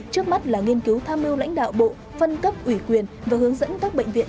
trước mắt là nghiên cứu tham mưu lãnh đạo bộ phân cấp ủy quyền và hướng dẫn các bệnh viện